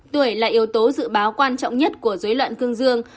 tuổi là yếu tố dự báo quan trọng nhất của dối loạn cương dương